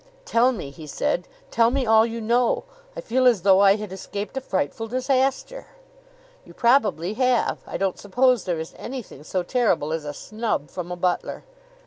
"Tell me," he said. "Tell me all you know. I feel as though I had escaped a frightful disaster." "You probably have. I don't suppose there is anything so terrible as a snub from a butler."